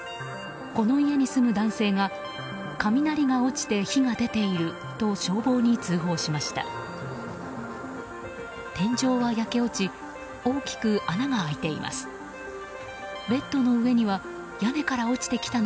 この家に住む男性が雷が落ちて火が出ていると消防に通報しました。